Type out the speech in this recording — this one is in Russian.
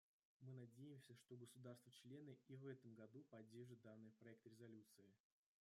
Мы надеемся, что государства-члены и в этом году поддержат данный проект резолюции.